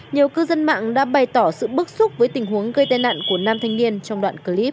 nhiều cư dân mạng đã bày tỏ sự bức xúc với tình huống gây tai nạn của nam thanh niên trong đoạn clip